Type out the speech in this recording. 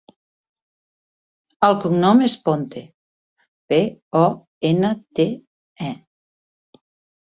El cognom és Ponte: pe, o, ena, te, e.